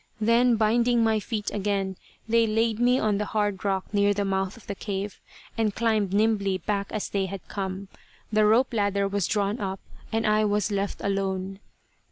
Then, binding my feet again, they laid me on the hard rock near the mouth of the cave, and climbed nimbly back as they had come. The rope ladder was drawn up, and I was left alone.